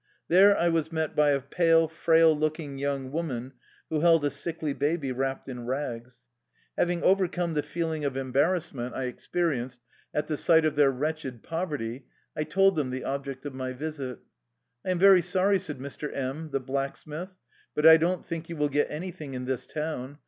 There I was met by a pale, frail looking young woman who held a sickly baby wrapped in rags. Hav ing overcome the feeling of embarrassment I ex 109 THE LIFE STOEY OF A RUSSIAN EXILE perienced at the sight of their wretched poverty, I told them the object of my visit. " I am very sorry/' said Mr. M , the black smith, " but I doii4 think you will get anything in this town.